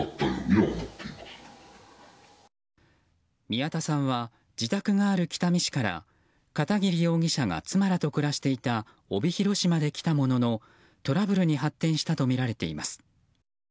宮田さんは自宅がある北見市から片桐容疑者が妻らと暮らしていた帯広市まで来たもののトラブルに発展したとみられています。